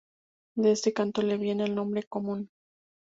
De este canto le viene el nombre común.